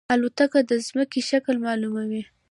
الوتکه د زمکې شکل معلوموي.